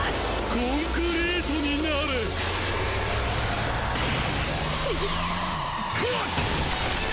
コンクリートになれハッ！